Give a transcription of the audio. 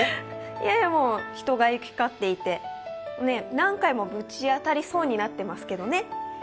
いえいえ、人が行き交っていて何回もぶち当たりそうになってますけどね。